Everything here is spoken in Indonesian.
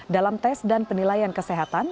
dalam tes dan penilaian kesehatan